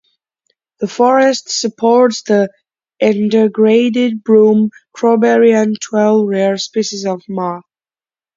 The forest supports the endangered broom crowberry and twelve rare species of moth.